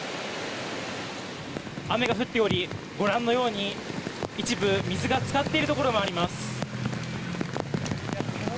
雨が降っておりご覧のように一部、水が浸かっているところもあります。